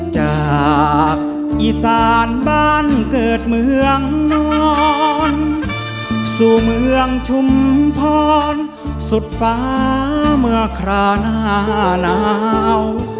จากอีสานบ้านเกิดเมืองนอนสู่เมืองชุมพรสุดฟ้าเมื่อคราวหน้าหนาว